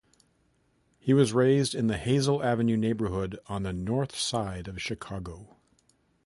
He was raised in the Hazel Avenue neighborhood on the North Side of Chicago.